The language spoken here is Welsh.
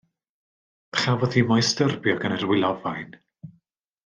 Chafodd hi mo'i styrbio gan yr wylofain.